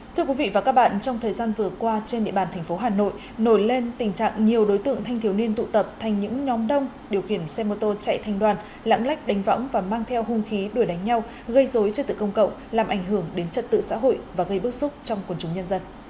thưa quý vị và các bạn trong thời gian vừa qua trên địa bàn thành phố hà nội nổi lên tình trạng nhiều đối tượng thanh thiếu niên tụ tập thành những nhóm đông điều khiển xe mô tô chạy thanh đoàn lãng lách đánh võng và mang theo hung khí đuổi đánh nhau gây dối trật tự công cộng làm ảnh hưởng đến trật tự xã hội và gây bức xúc trong quần chúng nhân dân